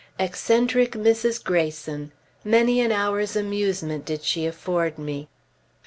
Eccentric Mrs. Greyson! Many an hour's amusement did she afford me.